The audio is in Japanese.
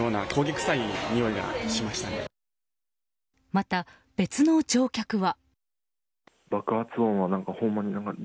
また、別の乗客は。